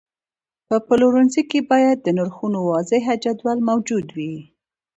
په پلورنځي کې باید د نرخونو واضحه جدول موجود وي.